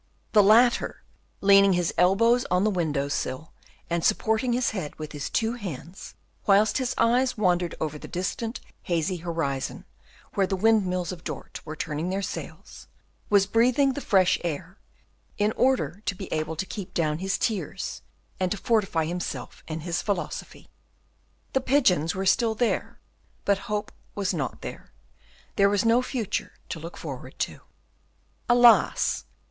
The latter, leaning with his elbows on the window sill and supporting his head with his two hands, whilst his eyes wandered over the distant hazy horizon where the windmills of Dort were turning their sails, was breathing the fresh air, in order to be able to keep down his tears and to fortify himself in his philosophy. The pigeons were still there, but hope was not there; there was no future to look forward to. Alas!